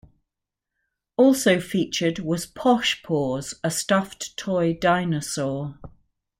Also featured was Posh Paws, a stuffed toy dinosaur.